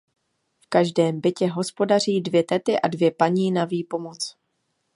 V každém bytě hospodaří dvě tety a dvě paní na výpomoc.